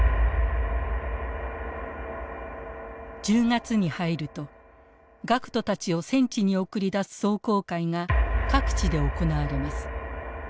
１０月に入ると学徒たちを戦地に送り出す壮行会が各地で行われます。